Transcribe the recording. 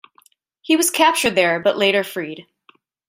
He was captured there but later freed.